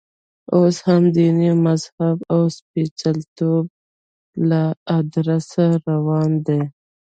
اوس هم دین، مذهب او سپېڅلتوب له ادرسه روان دی.